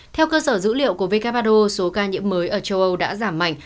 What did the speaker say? theo cơ sở dữ liệu của who số ca nhiễm mới ở châu âu đã giảm mạnh